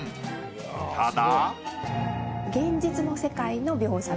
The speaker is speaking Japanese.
ただ。